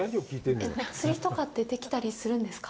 釣りとかってできたりするんですか？